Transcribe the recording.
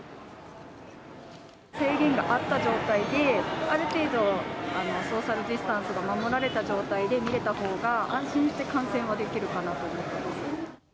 制限があった状態で、ある程度ソーシャルディスタンスが守られた状態で見れたほうが安心して観戦はできるかなと思います。